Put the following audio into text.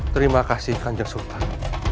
terima kasih kanjur sultan